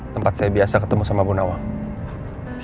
tempat saya biasa ketemu sama bu nawa